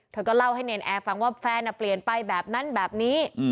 เธอก็เล่าให้เนรนแอร์ฟังว่าแฟนเปลี่ยนไปแบบนั้นแบบนี้